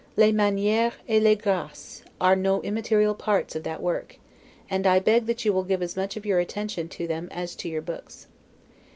'Les Manieres et les Graces' are no immaterial parts of that work; and I beg that you will give as much of your attention to them as to your books.